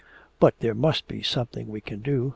"But there must be something we can do!"